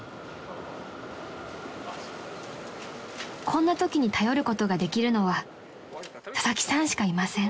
［こんなときに頼ることができるのは佐々木さんしかいません］